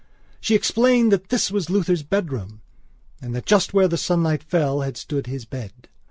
She explained that this was Luther's bedroom and that just where the sunlight fell had stood his bed.